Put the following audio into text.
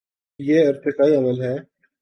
یہ ارتقائی عمل ہے۔